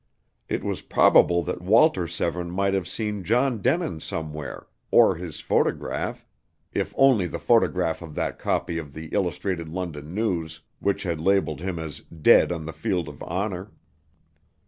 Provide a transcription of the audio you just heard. It was probable that Walter Severne might have seen John Denin somewhere, or his photograph if only the photograph in that copy of the Illustrated London News, which had labeled him as "dead on the field of honor."